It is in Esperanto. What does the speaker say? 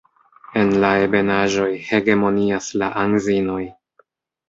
En la ebenaĵoj hegemonias la anzinoj.